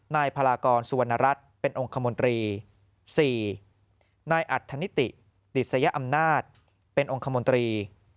นายพลากรสุวรรณรัฐเป็นองค์คมนตรี๔นายอัธนิติดสยอำนาจเป็นองค์คมนตรี